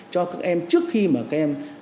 cho các em trước khi mà các em